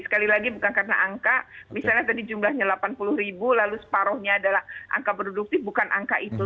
sekali lagi bukan karena angka misalnya tadi jumlahnya delapan puluh ribu lalu separuhnya adalah angka produktif bukan angka itu